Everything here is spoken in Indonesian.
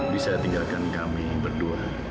bisa tinggalkan kami berdua